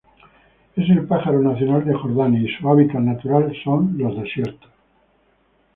Es el pájaro nacional de Jordania y su hábitat natural son los desiertos.